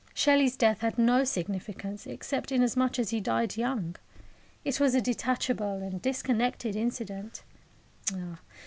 Shelley's death had no significance, except inasmuch as he died young. It was a detachable and disconnected incident.